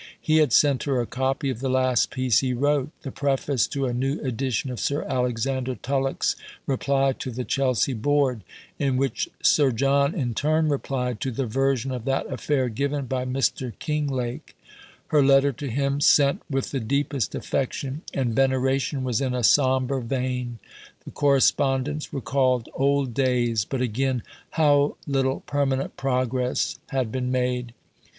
He had sent her a copy of the last piece he wrote; the preface to a new edition of Sir Alexander Tulloch's Reply to the Chelsea Board, in which Sir John in turn replied to the version of that affair given by Mr. Kinglake. Her letter to him, sent "with the deepest affection and veneration," was in a sombre vein. The correspondence recalled old days, but again "How little permanent progress had been made!"